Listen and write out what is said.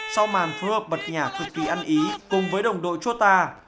sau màn phương hợp bật nhả cực kỳ ăn ý cùng với đồng đội chota